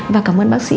và cảm ơn bác sĩ